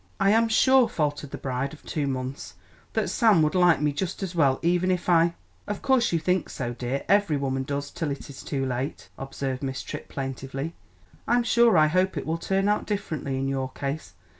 "I am sure," faltered the bride of two months, "that Sam would like me just as well even if I " "Of course you think so, dear, every woman does till it is too late," observed Miss Tripp plaintively. "I'm sure I hope it will turn out differently in your case.